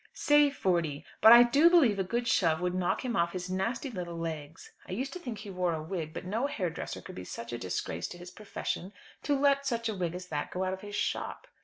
"Say forty. But I do believe a good shove would knock him off his nasty little legs. I used to think he wore a wig; but no hairdresser could be such a disgrace to his profession to let such a wig as that go out of his shop."